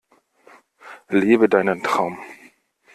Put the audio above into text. Lebe deinen Traum!